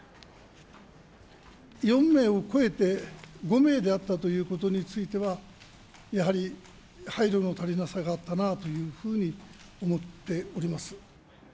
４名を超えて５名であったということについては、やはり配慮の足りなさがあったなあというふうに思っております。